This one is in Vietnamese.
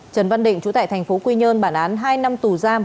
trần văn định trú tại thành phố quy nhơn bản án hai năm tù giam